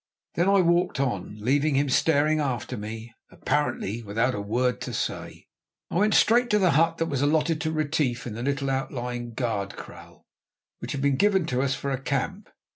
Then I walked on, leaving him staring after me, apparently without a word to say. I went straight to the hut that was allotted to Retief in the little outlying guard kraal, which had been given to us for a camp.